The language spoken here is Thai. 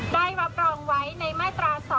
ได้รับรองไว้ในมาตรา๒